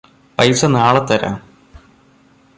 പൈസ നാളെ തരാം